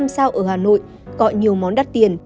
năm sao ở hà nội cọ nhiều món đắt tiền